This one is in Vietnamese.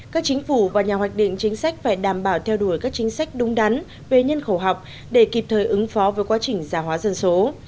các chính phủ và nhà hoạch định chính sách phải đảm bảo theo đuổi các chính sách đúng đắn về nhân khẩu học để kịp thời ứng phó với quá trình già hóa dân số